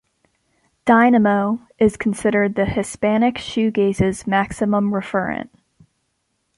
"Dynamo" is considered the Hispanic shoegaze's maximum referent.